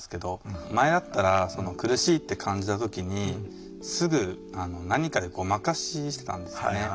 前だったら苦しいって感じた時にすぐ何かでごまかししてたんですよね。